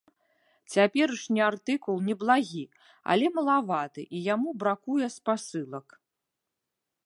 Цяперашні артыкул неблагі, але малаваты і яму бракуе спасылак.